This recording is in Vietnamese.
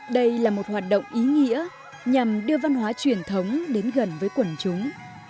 đây là một hoạt động ý nghĩa nhằm đưa văn hóa truyền thống đến gần với quần chúng